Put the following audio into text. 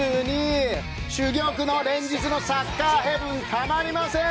珠玉の連日のサッカーヘブンたまりません！